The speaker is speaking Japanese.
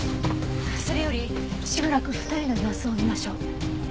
それよりしばらく２人の様子を見ましょう。